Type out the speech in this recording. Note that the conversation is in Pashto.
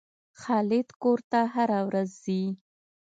خالد کور ته هره ورځ ځي.